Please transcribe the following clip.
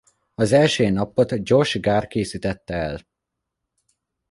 Az első ilyen appot Josh Gare készítette el.